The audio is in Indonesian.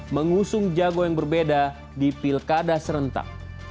mengusung jago yang berbeda di pilkada serentak